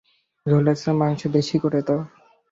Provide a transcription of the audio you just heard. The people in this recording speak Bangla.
ঝোলের চেয়ে মাংস বেশি করে দাও।